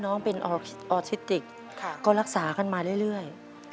ออร์ทิติกก็รักษากันมาเรื่อย